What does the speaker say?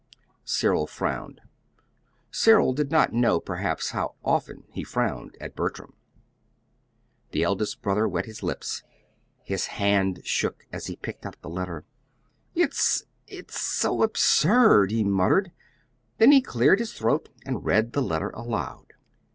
Cyril frowned. Cyril did not know, perhaps, how often he frowned at Bertram. The eldest brother wet his lips. His hand shook as he picked up the letter. "It it's so absurd," he muttered. Then he cleared his throat and read the letter aloud.